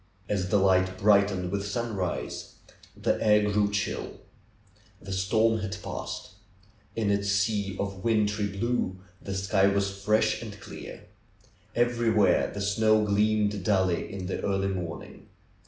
As the light brightened with sunrise, the air grew chill. The storm had passed. In its sea of wintry blue the sky was fresh and clear. Everywhere the snow gleamed dully in the early morning.